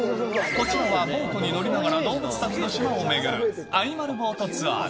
こちらはボートに乗りながら、動物たちの島を巡るアニマルボートツアーズ。